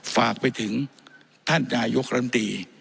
ฝากไปถึงท่านนายกรัมตี